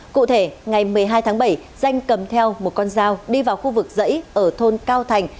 cụ thể ngày một mươi hai tháng bảy danh cầm theo một con dao đi vào khu vực dãy ở thôn cao thành